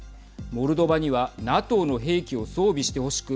モルドバにはＮＡＴＯの兵器を装備してほしく